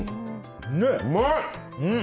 うまい！